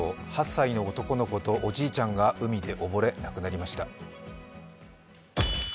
８歳の男の子とおじいちゃんが海で溺れ、亡くなりました。